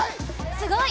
すごい！